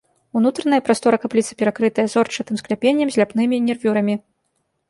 Унутраная прастора капліцы перакрытая зорчатым скляпеннем з ляпнымі нервюрамі.